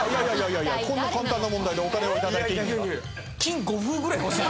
こんな簡単な問題でお金を頂いていいんですか？